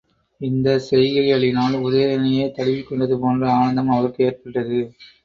இந்தச் செய்கைகளினால் உதயணனையே தழுவிக் கொண்டதுபோன்ற ஆனந்தம் அவளுக்கு ஏற்பட்டது.